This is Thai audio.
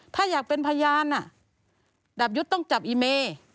ถ้าอยากเป็นพยานดาบยุทธ์ต้องจับอีเม